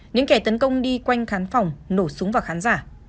những kẻ tấn công đi quanh khán phòng nổ súng vào khán giả